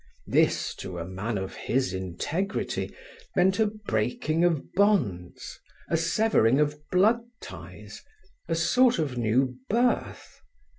This, to a man of his integrity, meant a breaking of bonds, a severing of blood ties, a sort of new birth.